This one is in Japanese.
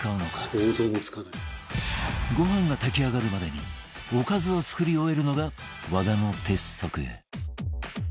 ご飯が炊き上がるまでにおかずを作り終えるのが和田の鉄則